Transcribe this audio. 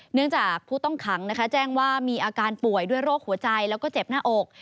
เนื่องจากผู้ต้องขังแจ้งว่ามีอาการป่วยด้วยโรคหัวใจแล้วก็เจ็บหน้าอก